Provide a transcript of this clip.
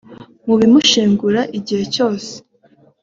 Mu bimushengura igihe cyose